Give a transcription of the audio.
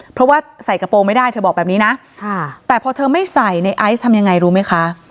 เพราะว่าใส่กระโปรงไม่ได้เธอบอกแบบนี้นะแต่พอเธอไม่ใส่ในไอซ์ทำยังไงรู้ไหมคะ